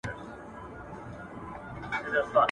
خداى خبر دئ، چي تره کافر دئ.